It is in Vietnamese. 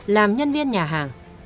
làm nhân viên nhà hàng